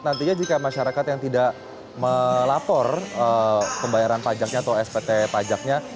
nantinya jika masyarakat yang tidak melapor pembayaran pajaknya atau spt pajaknya